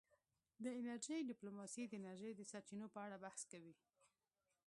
د انرژۍ ډیپلوماسي د انرژۍ د سرچینو په اړه بحث کوي